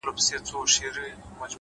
خاموشه هڅه لویې پایلې زېږوي،